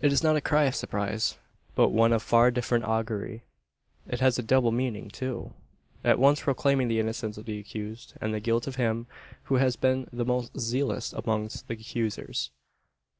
It is not a cry of surprise; but one of far different augury. It has a double meaning, too: at once proclaiming the innocence of the accused, and the guilt of him who has been the most zealous amongst the accusers.